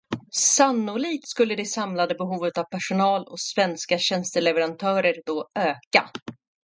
Sannolikt skulle det samlade behovet av personal hos svenska tjänsteleverantörer då öka.